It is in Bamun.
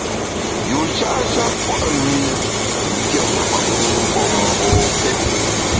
Yusha’ sha pua’ mi mfiét nkwet mgbom mbokét.